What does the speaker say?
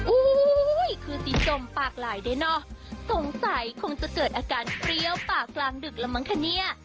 อุ้ยคือสีจมปากหลายด้วยเนอะสงสัยคงจะเกิดอาการเปรี้ยวปากกลางดึกแล้วมั้งคะเนี่ย